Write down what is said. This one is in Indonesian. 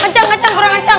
kenceng kenceng kurang kenceng